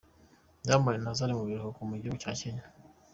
Diamond na Zari mu biruhuko mu gihugu cya Kenya.